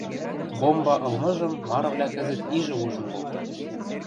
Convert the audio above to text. Бомба ылмыжым марывлӓ кӹзӹт ижӹ ужын колтат.